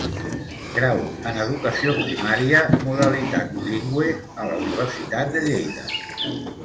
Grau en educació primària, modalitat bilingüe, a la Universitat de Lleida.